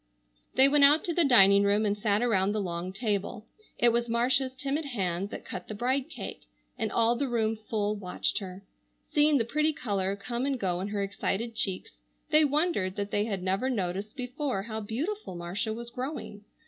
They went out to the dining room and sat around the long table. It was Marcia's timid hand that cut the bridecake, and all the room full watched her. Seeing the pretty color come and go in her excited cheeks, they wondered that they had never noticed before how beautiful Marcia was growing.